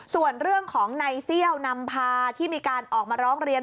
ส่วนเรื่องของในเซี่ยวนำพาที่มีการออกมาร้องเรียน